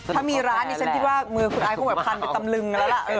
ถ้ามีร้านนี้ฉันคิดว่ามือคุณไอคงแบบพันไปตำลึงกันแล้วล่ะ